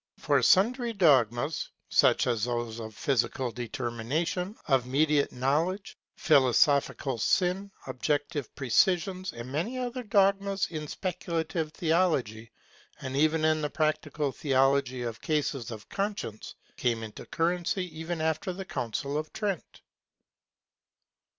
For sundry dogmas, such as those of physical predetermination, of mediate knowledge, philosophical sin, objective precisions, and many other dogmas in speculative theology and even in the practical theology of cases of conscience, came into currency even after the Council of Trent.